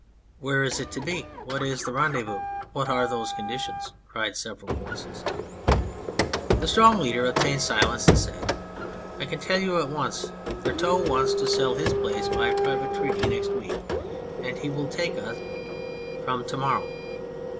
" Where is it to be ? What is the rendezvous ? What are those conditions ?" cried several voices. The strong leader obtained silence, and said :" I can tell you at once ; Berteaux wants to sell his 180 The Hungry Student place by private treaty next week, and he will take us from to morrow."